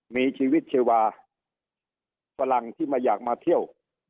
มีชีวิตชีวาฝรั่งที่ไม่อยากมาเที่ยว